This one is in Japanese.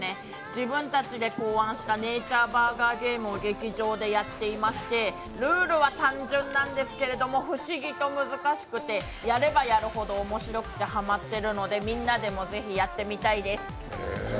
自分たちで考案した「ネイチャーバーガーゲーム」を劇場でやってましてルールは単純なんですけど、不思議と難しくてやればやるほどおもしろくてハマってるのでみんなでもぜひやってみたいです。